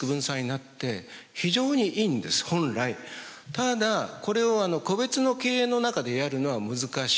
ただこれを個別の経営の中でやるのは難しい。